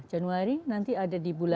januari nanti ada di bulan